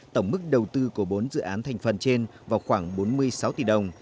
tổng mức đầu tư của bốn dự án thành phần trên vào khoảng bốn mươi sáu tỷ đồng